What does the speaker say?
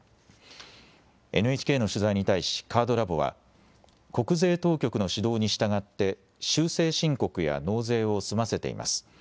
ＮＨＫの取材に対し、カードラボは、国税当局の指導に従って、修正申告や納税を済ませています。